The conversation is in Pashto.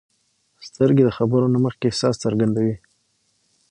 سترګې د خبرو نه مخکې احساس څرګندوي